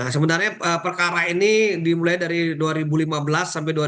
sebenarnya perkara ini dimulai dari dua ribu lima belas sampai dua ribu sembilan